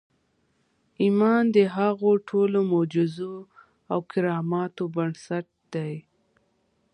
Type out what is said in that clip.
ایمان د هغو ټولو معجزو او کراماتو بنسټ دی